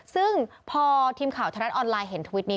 ซึ่งพอทีมข่าวทรัฐออนไลน์เห็นทวิตนี้